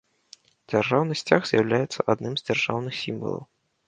Дзяржаўны сцяг з'яўляецца адным з дзяржаўных сімвалаў.